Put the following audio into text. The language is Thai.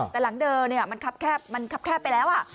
แต่หลังเดิมมันคับแคบไปแล้ว